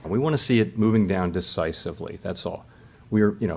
kita tidak ingin melakukan